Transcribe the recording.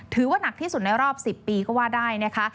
ถือว่าหนักที่สุดในรอบ๑๐ปีก็ว่าได้นะคะ